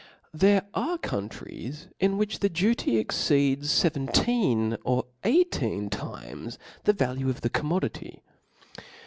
There are countries in which the duty exceeds fevcnteen or eighteen times the value of the commodity.